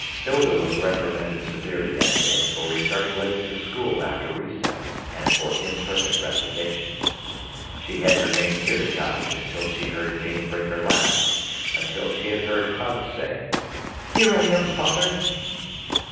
Hilda was reprimanded severely that day for returning late to school after recess, and for imperfect recitations. She had remained near the cottage until she heard Dame Brinker laugh, until she had heard Hans say, "Here I am, Father!"